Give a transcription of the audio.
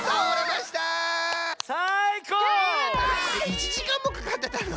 １じかんもかかってたの？